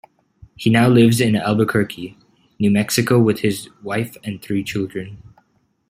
He now lives in Albuquerque, New Mexico with his wife and three children.